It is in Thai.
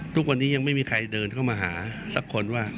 ทุกวันนี้ยังไม่มีใครเดินเข้ามาหาสักคนว่า